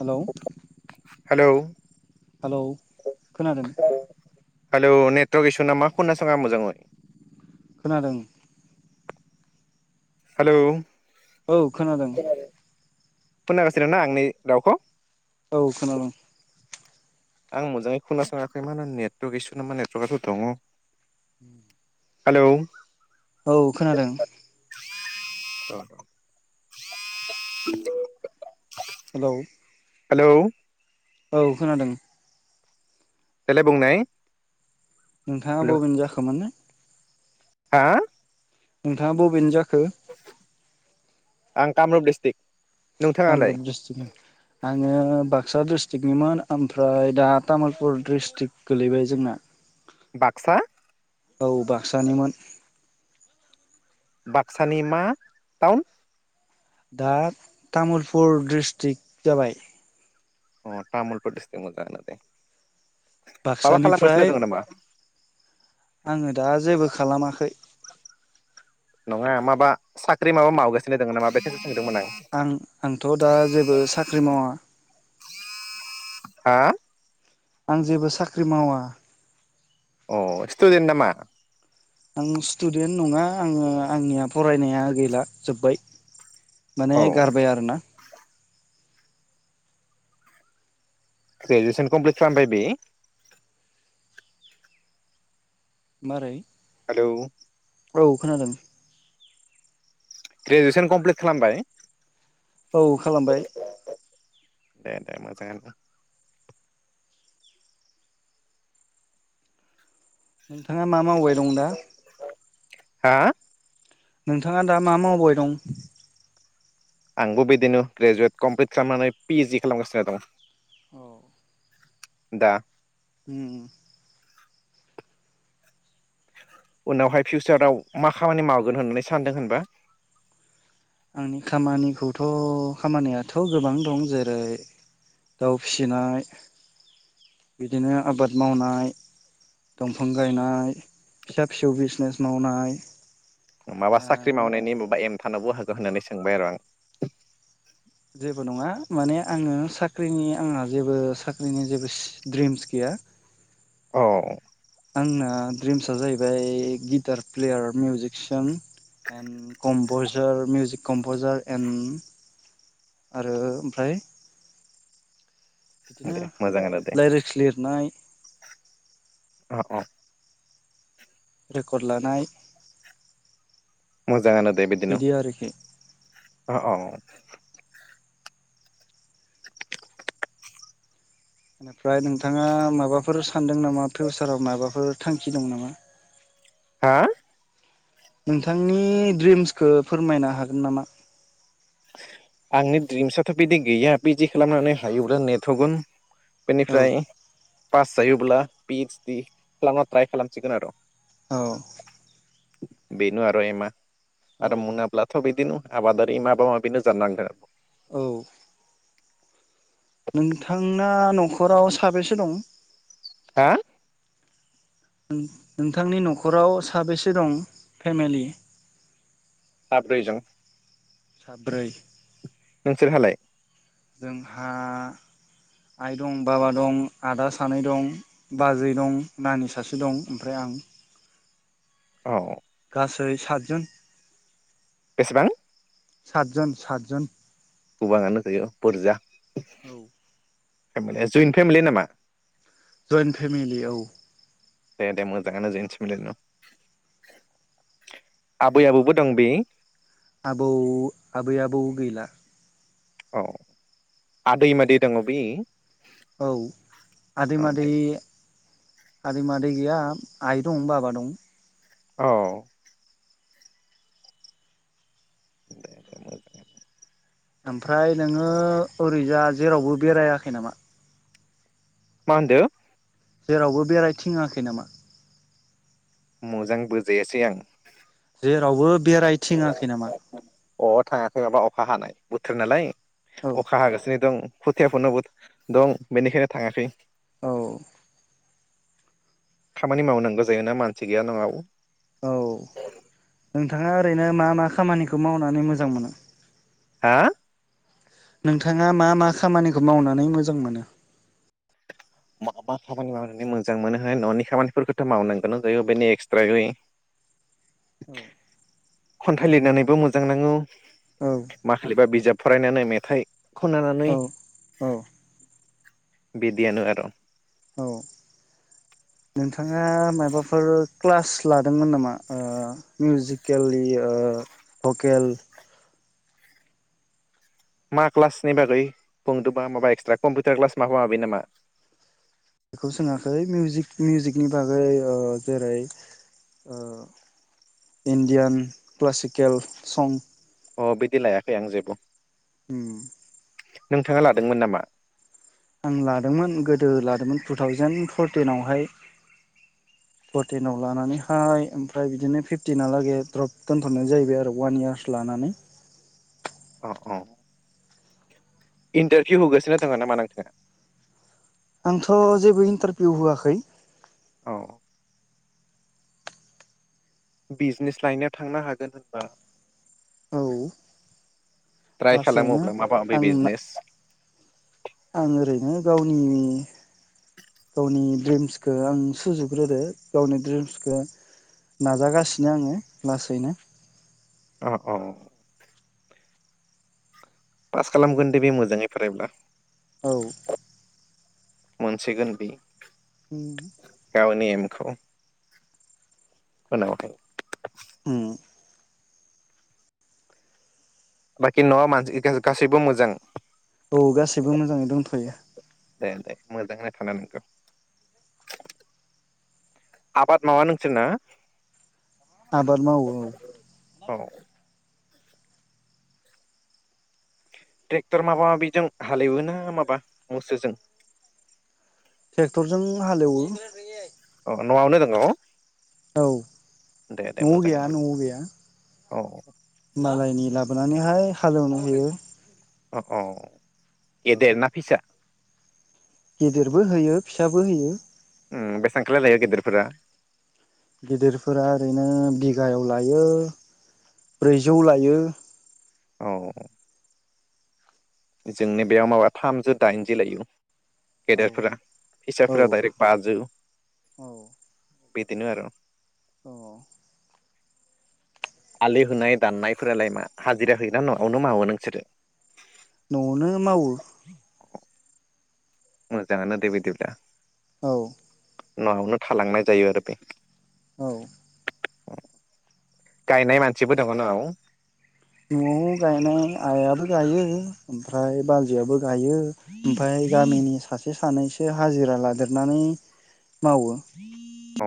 Hello हेल hello खोनादों hello network इसु नामा खोना सङा मोजाङै खोनादों हेलौ औ खोनादों खोनागासिनो ना आंनि रावखौ औ खोनादोंं आं मोजाङै खोनासङाखै मोन नेटवर्क इसु नामा नेटवर्कआथ' दङ उ हेलौ औ खोनादों ओ हेलौ हेलौ औ खोनादों देलाय बुंनाय नोंथाङा हेलौ बबेनि जाखो माने? हा नोंथाङा बबेनि जाख हो आं कामरुप डिस्ट्रिक्ट नोंथाङालाय कामरुप डिस्ट्रिक ओं आङो बाग सा डिस्ट्रिक्टनिमोन आमफ्राय दा तामुलपुर डिस्ट्रिक्ट गोलैबाय जोंना। बाकसा औ बाकसानिमोन। बाकसानि मा टाउन? दा तामुलपुर डिस्ट्रिक जाबाय। अ तामुलपुर दिस्ट्रिक मोजांनो दे। माबा खालामगासिनो बाकसानिफ्राय दङ नामा आङो दा जेबो खालामाखै। नङा माबा साख्रि माबा मावगासिनो दोङो नामा बे आं आंथ' दा जेबो साख्रि मावा। हो आं जेबो साख्रि मावा। अ सिटुडेन नामा? आं स्टुडेन्ट नङा आङो आंनिया फरायनाया गैला जोब्बाय। माने औ गारबाय आरोना। ग्रेजुएसन कमप्लिट खालामबाय बे। मारै हेलौ औ खोनादों ग्रेजुवेसन कमप्लिट खालामबाय? औ खालामबाय। दे दे मोजांनो दे। नोंथाङा मा मावबाय दं दा? हो नोंथाङा दा मा मावबाय दं? आंबो बिदिनो ग्रेजुवेट कमप्लिट खालामनानै पि इज डि खालामगासिनो दं। औ। दा उम। उनावहाय फिउचाराव मा खामानि मावगोन होननानै सानदों होनबा? आंनि खामानिखौथ' खामानियाथ' गोबां दं जेरै दाउ फिसिनाय, बिदिनो आबाद मावनाय, दंफां गायनाय, फिसा फिसौ बिजनेस मावनाय। माबा साख्रि मावनायनि माबा एइम थानोबो हागौ होननानै सोंबाय आरो आं। जेबो नङा माने आङो साख्रिनि आंहा जेबो साख्रिनि जेबो सि द्रिमस गैया। औ। आंना ड्रिम्सआ जाहैबाय guitar player musician and composer music composer and आरो ओमफ्राय बिदिनो दे मोजाङानो दे राइलिक्स लिरनाय अह अह। रेकर्ड लानाय मोजाङानो दे बिदिनो बिदि आरोखि अह अह। बेनिफ्राय नोंथाङा माबाफोर सानदों नामा फिउसाराव माबाफोर थांखि दं नामा? हा? नोंथांनि ड्रिम्सखौ फोरमायनो हागोन नामा? आंनि ड्रिम्सआथ' बिदि गैया पि जि खालामनानै हायोब्ला नेट होगोन औ बेनिफ्राय पास जायोब्ला पि ओइस दि खालामना ट्राय खालामसिगोन आरो। औ। बेनो आरो एइमआ औ आरो मुनाब्ला बिदिनो आबादारि बेनो जानांगौ। औ नोंथांना न'खराव साबेसे दं? हा? नोंथांनि न'खराव साबेसे दं फेमिलि? साब्रै जों। साब्रै। नोंसोरहालाय जोंहा आइ दं, बाबा दं, आदा सानै दं, बाजै दं, नानि सासे दं ओमफ्राय आं औ। गासै सातजोन। बेसेबां? सातजोन सातजोन। गोबाङानो जायो बुरजा औ। फेमिलि, जयन्ट फेमिलि नामा? जइन्ट फेमिलि औ। दे दे मोजाङानो जयेन्ट पेमिलियानो, आबै आबौबो दं बे? आबौ आबै आबौ गैला। औ आदै मादै दङ' बे औ आदै अ मादै दे आदैमादै गैया आइ दं बाबा दं औ। दे दे मोजांआनो। ओमफ्राय नोङो ओरैजा जेरावबो बेरायाखै नामा? मा होनदों? जेरावबो बेरायथिङाखै नामा? मोजां बुजायासै आं। जेरावबो बेरायथिङाखै नामा अ थाङाखै माबा अखा हानाय बोथोर नालाय। औ अखा हागासिनो दं औ खुथियाफोनोबो दं। बेनिखायनो थाङाखै। औ। खामानि मावनांगौ जायोना मानसि गैया न'आव। औ नोंथाङा ओरैनो मा मा खामानिखौ मावनानै मोजां मोनो। हा? नोंथाङा मा मा खामानिखौ मावनानै मोजां मोनो? मा मा खामानि मावनानै मोजां मोनोहाय न'नि खामानिफोरखौथ' मावनांगोन जायो बेनो एक्सट्रै औ। खन्थाइ लिरनानैबो मोजां नाङो। माखालि बा बिजाब फरायनानै मेथाइ खननानै औ औ। बिदि आानो आरो औ नोंथ' नोंथाङा माबाफोर क्लास लादोंमोन नामा मिउजिकेलि भकेल मा क्लासनि बागै बुंदोंबा माबा एक्सट्रा कम्पिउटार क्लास मा माबि नामा? बेखौ सोङाखै मिउजिक मिउजिकनि बागै जेरै इण्डियान क्लासिकेल सं अ बिदि लायाखै आं जेबो। ओम। नोंथाङा लादोंमोन नामा? आं लादोंमोन गोदो लादोंमोन टु थावजेन फरटिनवहाय फरटिनाव लानानैहाय ओमफ्राय बिदिनो फिफटिनालागै द्रप दोनथ'नाय जाहैबाय आरो अवान इयार्स लानानै। अ अ इन्टारभिउ होगासिनो दङ' नामा नोंथाङा? आंथ' जेबो इन्टारभिउ होआखै। औ। बिजनेस लाइनाव थांनो हागोन होनबा। औ ट्राय लासैनो खालामोब्ला माबा बे आं बिजनेस आं ओरैनो गावनि गावनि ड्रिम्सखौ आं सुजुग्रोदो गावनि दड्रिम्सखौ नाजागासिनो आङो लासैनो। अ अ। पास खालामगोन दे बे मोजाङै फरायब्ला। औ मोनसिगोन बे उम गावनि एम खौ होनांगौथाय ओम बाखि न'आव मानसि गो गासैबो मोजां औ गासैबो मोजाङै दंथ'यो दे दे मोजाङानो थानो नंगौ आबाद मावा नोंसोरना? आबाद मावो औ औ ट्रेक्टर माबा माबिजों हालेवोना माबा मोसौजों ट्रेक्टरजों हालेवो औ न'आवनो दङ' औ दे दे न'आव गैया मोजाङानो न'आव गैया औ मालायनि लाबोनानैहाय हालेवनो होयो अ अ गेदेरना फिसा गिदिरबो होयो फिसाबो होयो ओ बेसेबां खालाय लायो गेदेरफोरा गिदिरफोरा ओरैनो बिगायाव लायो ब्रैजौ लायो औ जोंनो बेयाव माबा थामजौ दाइनजि लायो औ गेदेरफोरा औ फिसाफोरा दायरेक्ट बाजो औ बेदिनो आरो औ आलि होनाय दाननायफोरालाय मा हाजिरा होयोना नआवनो मावो नोंसोरो न'आवनो मावो मोजाङानो दे बिदिब्ला औ न'आवनो थालांनाय जायो आरो बे औ गायनाय मानसिबो दङ' न औ न'आव गायनाय आयाबो गायो ओमफ्राय बाजैआबो गायो ओमफाय गामिनि सासे सानैसो हाजिरा लादेरनानै मावो [inaudible] औ